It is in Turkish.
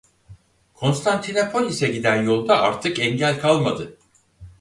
Konstantinopolis'e giden yolda artık engel kalmadı.